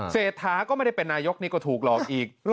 เศรษฐาก็ไม่ได้เป็นนายกนี่ก็ถูกหลอกอีก